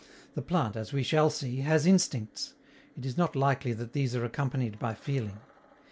The plant, as we shall see, has instincts; it is not likely that these are accompanied by feeling.